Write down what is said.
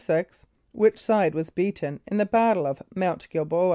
= Which side was beaten in the battle of Mount [=G][)i]l b[=o]´[.